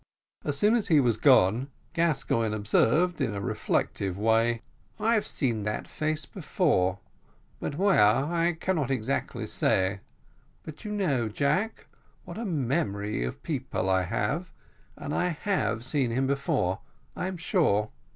As soon as he was gone, Gascoigne observed in a reflective way, "I have seen that face before, but where I cannot exactly say; but you know, Jack, what a memory of people I have, and I have seen him before, I am sure."